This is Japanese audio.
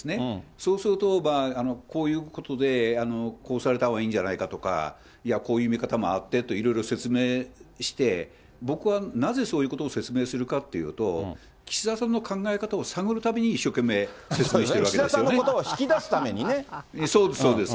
そうすると、こういうことで、こうされたほうがいいんじゃないかとか、いや、こういう見方もあってといろいろ説明して、僕はなぜそういうことを説明するかっていうと、岸田さんの考え方を探るために一生懸命、岸田さんのことを引き出すたそうです、そうです。